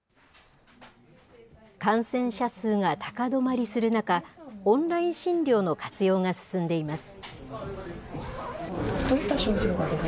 感染者数が高止まりする中、オンライン診療の活用が進んでいます。